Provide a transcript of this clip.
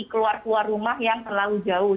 keluar keluar rumah yang terlalu jauh